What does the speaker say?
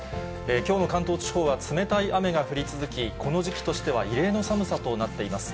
きょうの関東地方は冷たい雨が降り続き、この時期としては異例の寒さとなっています。